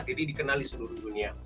jadi dikenali di seluruh dunia